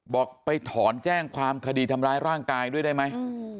บอกไปถอนแจ้งความคดีทำร้ายร่างกายด้วยได้ไหม